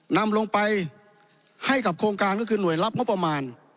นำลงไปให้กับโครงการก็คือหน่วยรับงบประมาณ